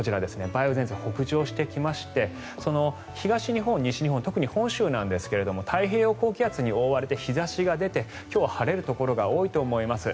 梅雨前線、北上してきまして東日本、西日本特に本州なんですが太平洋高気圧に覆われて日差しが出て、今日は晴れるところが多いと思います。